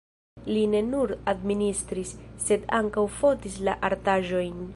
Li ne nur administris, sed ankaŭ fotis la artaĵojn.